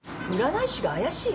占い師が怪しい！？